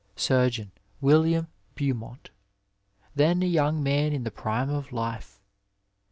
Surgeon William Beaumont, then a young man in the prime of life.